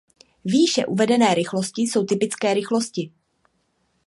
Výše uvedené rychlosti jsou „typické“ rychlosti.